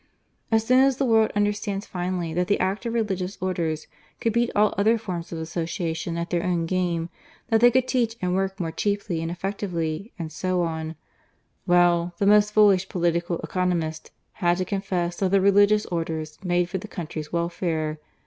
As soon as the world understood finally that the active Religious Orders could beat all other forms of association at their own game that they could teach and work more cheaply and effectively, and so on well, the most foolish Political Economist had to confess that the Religious Orders made for the country's welfare.